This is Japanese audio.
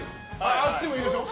あっちもいるでしょ。